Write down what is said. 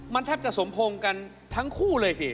มันแทบจะสมพงษ์กันทั้งคู่เลยสิ